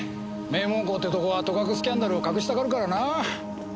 名門校ってとこはとかくスキャンダルを隠したがるからなあ。